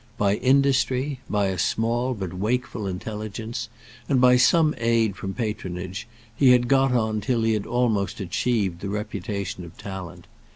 By industry, by a small but wakeful intelligence, and by some aid from patronage, he had got on till he had almost achieved the reputation of talent.